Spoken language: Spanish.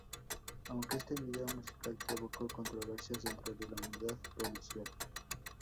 Aunque este video musical provocó controversias dentro de la unidad policial.